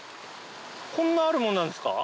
こんなあるもんなんですか？